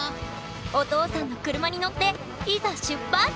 お父さんの車に乗っていざ出発！